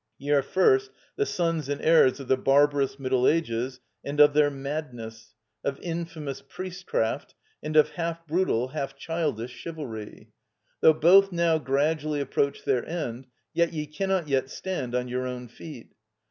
Ye are first the sons and heirs of the barbarous Middle Ages and of their madness, of infamous priestcraft, and of half brutal, half childish chivalry. Though both now gradually approach their end, yet ye cannot yet stand on your own feet.